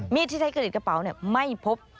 มีดที่ใช้กระดิษฐ์กระเป๋าไม่พบ